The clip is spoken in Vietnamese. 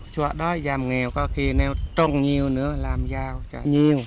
số đói giảm nghèo có khi nào trồng nhiều nữa làm giao cho nhiều